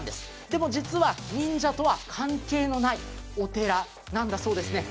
でも、実は忍者とは関係のないお寺なんだそうですね。